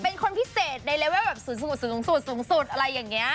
เป็นคนพิเศษในเลเวลแบบ๐สูงสุดอะไรอย่างนี้